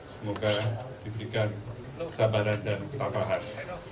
semoga diberikan kesabaran dan kepatahan